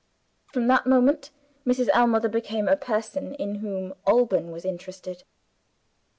From that moment Mrs. Ellmother became a person in whom Alban was interested.